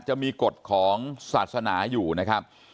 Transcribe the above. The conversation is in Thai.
จะมีกฎของศาสนาอยู่นะครับ